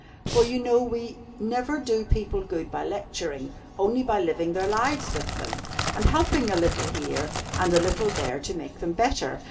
For you know we never do people good by lecturing; only by living their lives with them, and helping a little here, and a little there, to make them better.